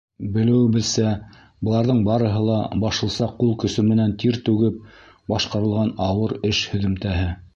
Белеүебеҙсә, быларҙың барыһы ла — башлыса ҡул көсө менән тир түгеп башҡарылған ауыр эш һөҙөмтәһе.